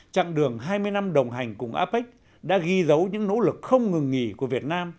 trạng đường hai mươi năm đồng hành cùng apec đã ghi dấu những nỗ lực không ngừng nghỉ của việt nam